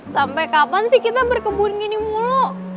sampai kapan sih kita berkebun gini mulu